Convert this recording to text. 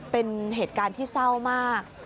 เป็นเหตุการณ์ที่เศร้ามาก